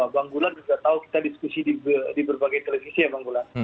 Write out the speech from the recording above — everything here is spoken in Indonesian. bang gulan juga tahu kita diskusi di berbagai televisi ya bang gulan